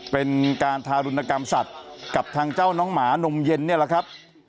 เป็นการทารุณกรรมสัตว์กับทางเจ้าน้องหมานมเย็นนี่แหละครับ